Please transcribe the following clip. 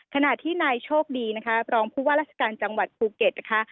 ขณะที่นายโชคดีนะคะรองผู้ว่าราชการจังหวัดภูเก็ตนะคะ